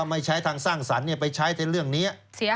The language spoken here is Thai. แต่ไม่ใช้ทางสร้างสรรค์เขาไปใช้งานในเรื่องนนี้